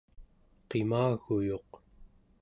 qimaguyuq